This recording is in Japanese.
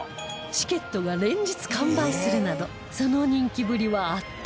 チケットが連日完売するなどその人気ぶりは圧倒的